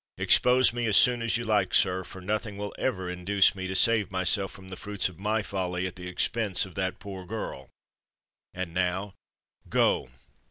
"Expose me as soon as you like, sir, for nothing will ever induce me to save myself from the fruits of my folly at the expense of that poor girl. And now, go!"